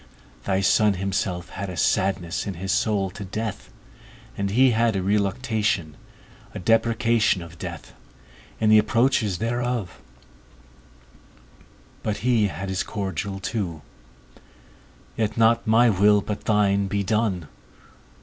Thy Son himself had a sadness in his soul to death, and he had a reluctation, a deprecation of death, in the approaches thereof; but he had his cordial too, Yet not my will, but thine be done.